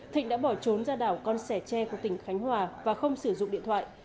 thịnh đã bỏ trốn ra đảo con sẻ tre của tỉnh khánh hòa và không sử dụng điện thoại